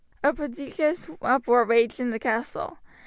A prodigious uproar raged in the castle.